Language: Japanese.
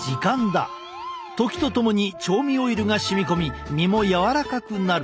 時とともに調味オイルが染み込み身もやわらかくなる。